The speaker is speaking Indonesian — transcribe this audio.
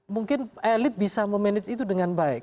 mungkin elit bisa memanage itu dengan baik